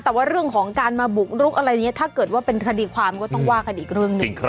แต่ว่าเรื่องของการมาบุกรุกอะไรเนี่ยถ้าเกิดว่าเป็นคดีความก็ต้องว่ากันอีกเรื่องหนึ่ง